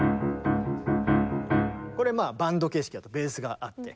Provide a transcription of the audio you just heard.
これバンド形式だとベースがあって。